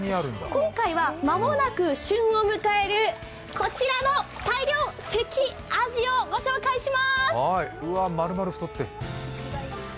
今回は間もなく旬を迎える、こちらの大漁、関あじをご紹介します。